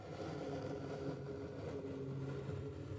তিনি তো বনের মায়ামৃগ নন, তিনি অঞ্চলের পোষা হরিণ।